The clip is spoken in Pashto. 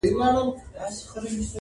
د پتڼ له سرې لمبې نه څه پروا ده-